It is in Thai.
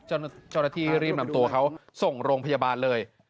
เจ้าหน้าที่รีบนำตัวเขาส่งโรงพยาบาลเลย